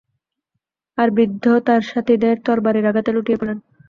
আর বৃদ্ধ তার সাথীদের তরবারীর আঘাতে লুটিয়ে পড়লেন।